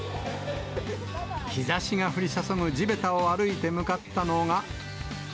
日ざしが降り注ぐ地べたを歩いて向かったのは。